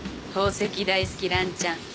宝石大好きランちゃん